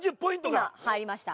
今入りました。